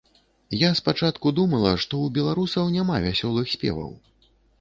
Я спачатку думала, што у беларусаў няма вясёлых спеваў.